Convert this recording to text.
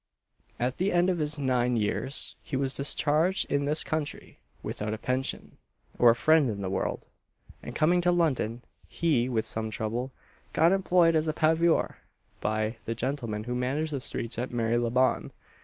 At the end of nine years he was discharged, in this country, without a pension, or a friend in the world; and coming to London, he, with some trouble, got employed as a paviour, by "the gentlemen who manage the streets at Mary la bonne."